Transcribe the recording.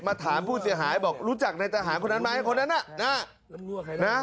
ถามผู้เสียหายบอกรู้จักในทหารคนนั้นไหมคนนั้นน่ะนะ